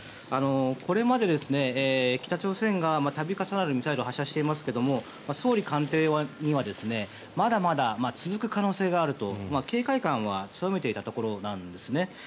これまで北朝鮮が、度重なるミサイルを発射していますが総理官邸にはまだまだ続く可能性があると警戒感は強めていたところなんですね。